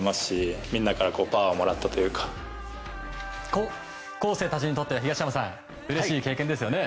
高校生たちにとっては東山さんうれしい経験ですよね。